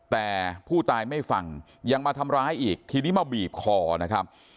แต่ผู้ตายไม่ฟังยังมาทำร้ายอีกทีนี้มาบีบคอนะครับ